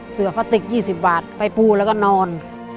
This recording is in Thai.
เสือพลาสติก๒๐บาทไปปูแล้วก็นอน